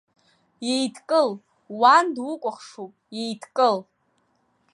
Иеидкыл, уан дукәыхшоуп, иеидкыл!